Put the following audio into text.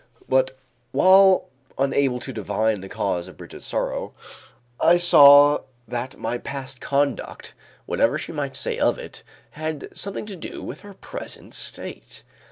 But, while unable to divine the cause of Brigitte's sorrow, I saw that my past conduct, whatever she might say of it, had something to do with her present state.